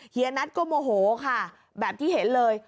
นัทก็โมโหค่ะแบบที่เห็นเลย